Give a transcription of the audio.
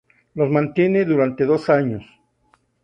Los mantiene durante dos años.